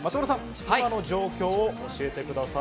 今の状況を教えてください。